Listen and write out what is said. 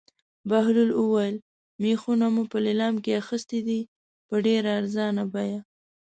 بهلول وویل: مېخونه مو په لېلام کې اخیستي دي په ډېره ارزانه بیه.